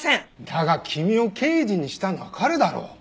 だが君を刑事にしたのは彼だろう。